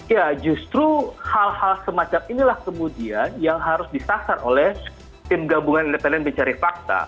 ya justru hal hal semacam inilah kemudian yang harus disasar oleh tim gabungan independen mencari fakta